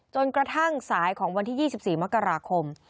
จนกระทั่งสายของวันที่๒๔มกราคม